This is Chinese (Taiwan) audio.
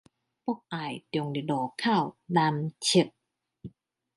博愛重立路口南側